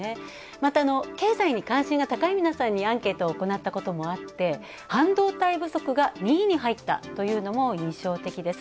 また、経済に関心が高い皆さんにアンケートを行ったこともあって半導体不足が２位に入ったというのも印象的です。